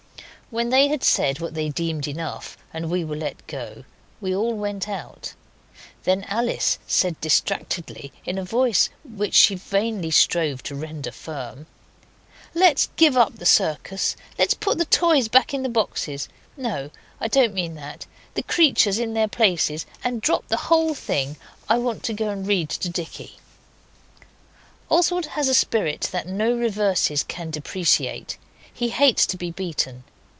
When they had said what they deemed enough and we were let go, we all went out. Then Alice said distractedly, in a voice which she vainly strove to render firm 'Let's give up the circus. Let's put the toys back in the boxes no, I don't mean that the creatures in their places and drop the whole thing. I want to go and read to Dicky.' Oswald has a spirit that no reverses can depreciate. He hates to be beaten.